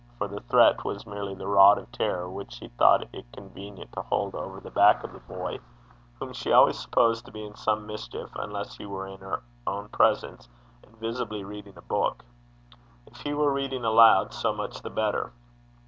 For the threat was merely the rod of terror which she thought it convenient to hold over the back of the boy, whom she always supposed to be about some mischief except he were in her own presence and visibly reading a book: if he were reading aloud, so much the better.